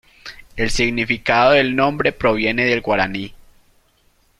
El significado del nombre proviene del guaraní.